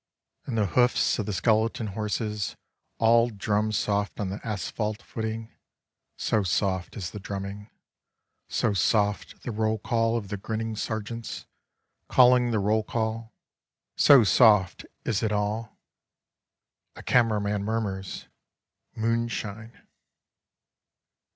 (And the hoofs of the skeleton horses all drum soft on the asphalt footing — so soft is the drumming, so soft the roll call of the grinning sergeants calling the roll call — so soft is it all — a camera man murmurs, " Moon shine.")